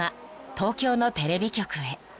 東京のテレビ局へ］